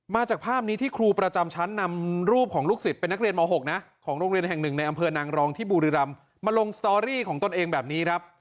มาจากภาพนี้ที่ครูประจำชั้นนำรูปของลูกศิษย์เป็นนักเรียนม๖นะของโรงเรียนแห่งหนึ่งในอำเภอนางรองที่บุรีรำมาลงสตอรี่ของตนเองแบบนี้ครับ